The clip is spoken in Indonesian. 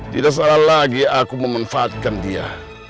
tidak salah lagi aku memanfaatkan dia